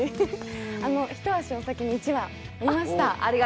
ひと足先に１話見ました。